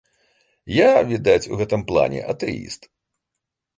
Я, відаць, у гэтым плане атэіст.